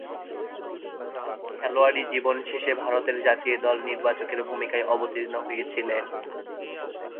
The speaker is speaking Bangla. খেলোয়াড়ী জীবন শেষে ভারতের জাতীয় দল নির্বাচকের ভূমিকায় অবতীর্ণ হয়েছিলেন।